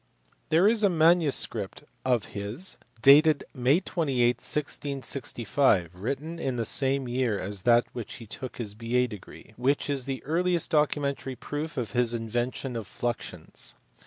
There is a manuscript of his, dated May 28, 1665, written in the same year as that in which he took his B.A. degrep^ which is the earliest documentary proof of his invention of fluxions.